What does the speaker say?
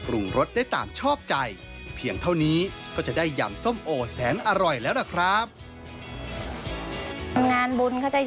แล้วนะครับ